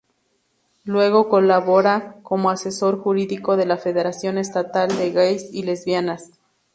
Luego colabora como asesor jurídico de la Federación Estatal de Gays y Lesbianas.